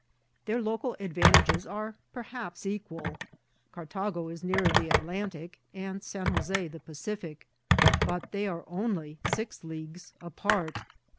Their local ad vantages are perhaps equal. Cartago is nearer the At lantic, and San Josi the Pacific ; but they are only six leagues apart.